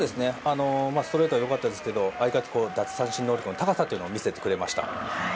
ストレートが良かったですけど奪三振能力の高さを見せてくれました。